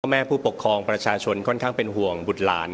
แม่ผู้ปกครองประชาชนค่อนข้างเป็นห่วงบุตรหลาน